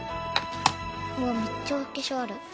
わあめっちゃお化粧ある。